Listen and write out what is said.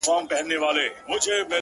o لا به په تا پسي توېږي اوښکي،